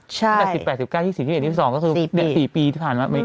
ตั้งแต่๑๘๑๙๒๒๑๒๒ก็คือเด็ก๔ปีที่ผ่านมา